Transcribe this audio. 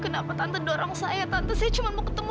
sampai jumpa di video selanjutnya